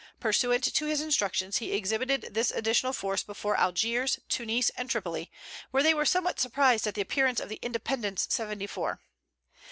Pursuant to his instructions he exhibited this additional force before Algiers, Tunis and Tripoli, where they were somewhat surprised at the appearance of the Independence seventy four.